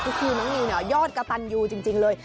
คือน้องนิวยอดกระตันอยู่จริงเลย